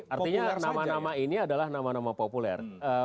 artinya nama nama ini adalah nama nama populer